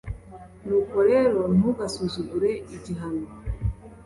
, Nuko rero ntugasuzugure igihano